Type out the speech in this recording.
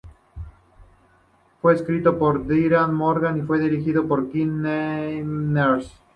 Fue escrito por Darin Morgan y fue dirigido por Kim Manners.